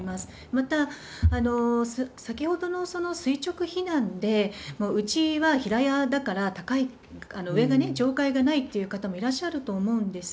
また、先ほどの垂直避難で、うちは平屋だから高い、上がね、上階がないという方もいらっしゃると思うんです。